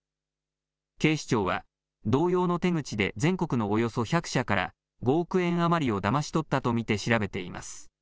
警視庁は同様の手口で全国のおよそ１００社から５億円余りをだまし取ったと見て調べています。